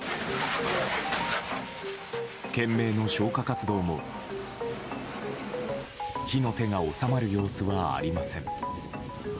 懸命の消火活動も火の手が収まる様子はありません。